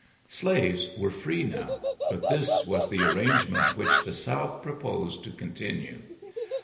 Slaves re free now, but this was the arrange 5nt which the South proposed to con Lue.